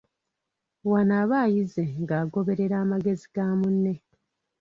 Wano aba ayize ng'agoberera amagezi ga munne.